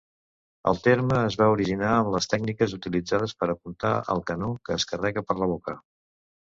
El terme es va originar amb les tècniques utilitzades per apuntar el canó que es carrega per la boca.